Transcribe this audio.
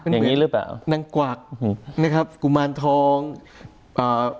อย่างงี้หรือเปล่านางกวักนะครับกุมารทองอ่า